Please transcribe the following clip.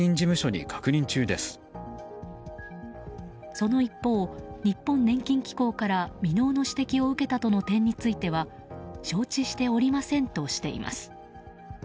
その一方、日本年金機構から未納の指摘を受けたとの点については承知しておりませんとしています。